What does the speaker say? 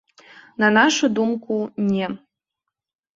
На нашу думку, не.